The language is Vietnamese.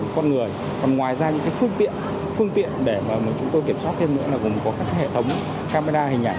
còn ngoài ra những cái phương tiện để mà chúng tôi kiểm soát thêm nữa là gồm có các hệ thống camera hình ảnh